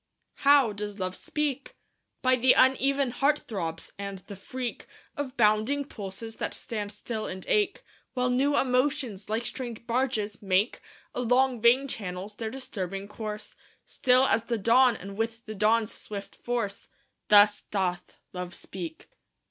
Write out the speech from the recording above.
How does Love speak? By the uneven heart throbs, and the freak Of bounding pulses that stand still and ache, While new emotions, like strange barges, make Along vein channels their disturbing course; Still as the dawn, and with the dawn's swift force Thus doth Love speak.